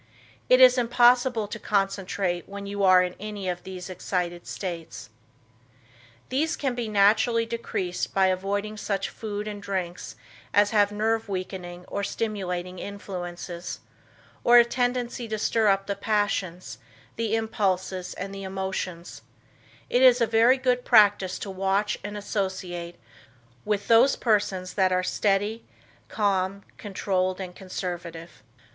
It is impossible to concentrate when you are in any of these excited states. These can be naturally decreased by avoiding such food and drinks as have nerve weakening or stimulating influences, or a tendency to stir up the passions, the impulses and the emotions; it is a very good practice to watch and associate with those persons that are steady, calm, controlled and conservative.